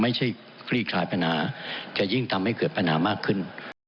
ไม่ใช่เราจะกลีกฟลายปัญหาจะยิ่งทำให้เกิดปัญหามากขึ้น